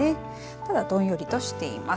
ただ、どんよりとしています。